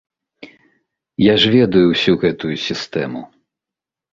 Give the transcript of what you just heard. Я ж ведаю ўсё гэтую сістэму.